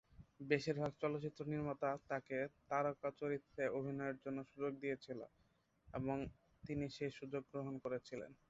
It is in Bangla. বেশির ভাগ চলচ্চিত্র নির্মাতা তাকে তারকা চরিত্রে অভিনয়ের জন্যে সুযোগ দিয়েছিল এবং তিনি সেই সুযোগ গ্রহণ করেছিলেন।